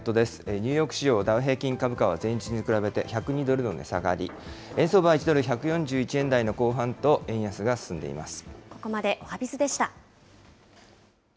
ニューヨーク市場、ダウ平均株価は、前日に比べて１０２ドルの値下がり、円相場は１ドル１４１円台のここまでおはＢｉｚでした。